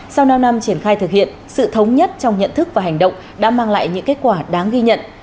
sau năm năm triển khai thực hiện sự thống nhất trong nhận thức và hành động đã mang lại những kết quả đáng ghi nhận